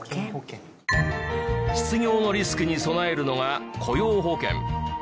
失業のリスクに備えるのが雇用保険。